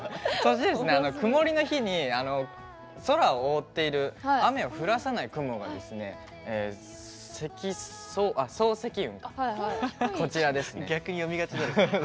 曇りの日に空を覆っている雨を降らさない雲が層積雲、こちらですね。